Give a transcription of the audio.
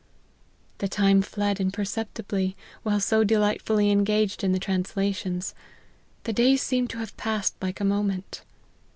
" The time fled imperceptibly, while so delight fully engaged in the translations ; the days seemed to have passed like a moment.